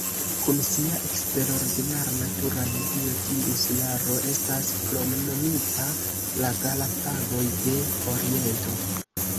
Kun sia eksterordinara natura medio, tiu insularo estas kromnomita "La Galapagoj de Oriento".